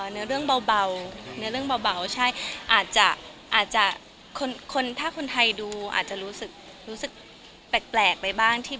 เนื้อเรื่องเบาถ้าคนไทยดูอาจจะรู้สึกแปลกไปบ้าง